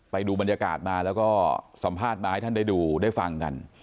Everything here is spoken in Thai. ไปดูบรรยากาศมาแล้วก็สัมภาษณ์มาให้ท่านได้ดูได้ฟังกัน